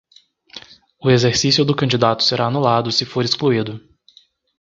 O exercício do candidato será anulado se for excluído.